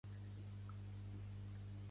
Tenir molta merda al pis